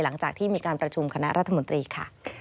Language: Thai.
หลังจากที่มีการประชุมคณะรัฐมนตรีค่ะ